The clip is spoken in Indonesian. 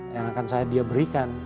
yang akan saya dia berikan